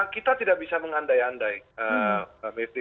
kita tidak bisa mengandai andai